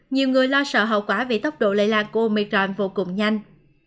nhiều người lo sợ hậu quả vì tốc độ lây lan của omicron vô cùng nhanh